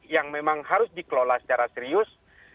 yang memang harus dikelola secara serius